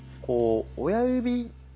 こう親指